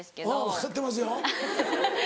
分かってますよ。